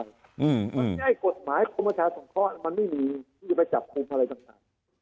มันใช่กฎหมายกรมประชาสงเคราะห์มันไม่มีที่จะไปจับกลุ่มอะไรต่าง